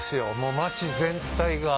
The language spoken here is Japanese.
町全体が。